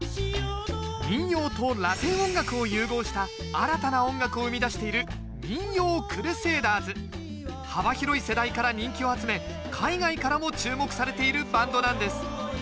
民謡とラテン音楽を融合した新たな音楽を生み出している幅広い世代から人気を集め海外からも注目されているバンドなんです